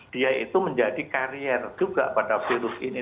dia itu menjadi karier juga pada virus ini